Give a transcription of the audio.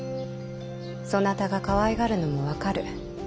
そなたがかわいがるのも分かる。